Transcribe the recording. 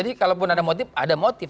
jadi kalaupun ada motif ada motif